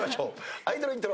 アイドルイントロ。